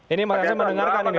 ini maksud saya mendengarkan ini